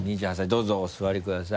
どうぞお座りください。